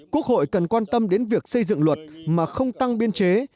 quốc hội cần quan tâm đến việc xây dựng luật mà không tăng biên chế